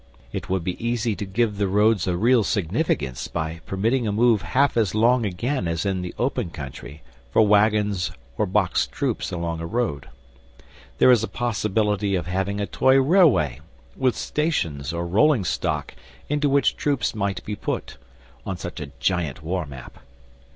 It would be easy to give the roads a real significance by permitting a move half as long again as in the open country for waggons or boxed troops along a road. There is a possibility of having a toy railway, with stations or rolling stock into which troops might be put, on such a giant war map.